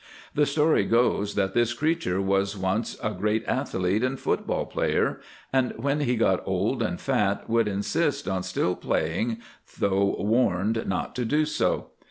The story goes that this creature was once a great athlete and football player, and when he got old and fat would insist on still playing, though warned not to do so.